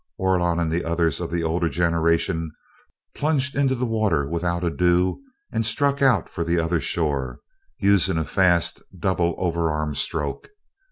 Orlon and the others of the older generation plunged into the water without ado and struck out for the other shore, using a fast double overarm stroke.